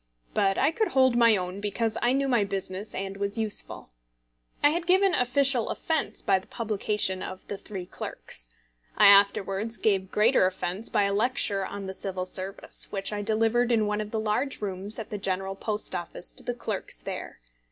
But I could hold my own because I knew my business and was useful. I had given official offence by the publication of The Three Clerks. I afterwards gave greater offence by a lecture on The Civil Service which I delivered in one of the large rooms at the General Post Office to the clerks there.